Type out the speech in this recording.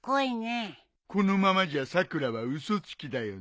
このままじゃさくらは嘘つきだよな。